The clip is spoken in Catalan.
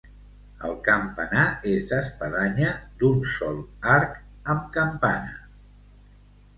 El campanar és d'espadanya d'un sol arc amb campana.